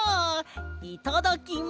いただきま。